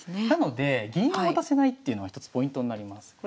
なので銀を渡せないっていうのは一つポイントになります。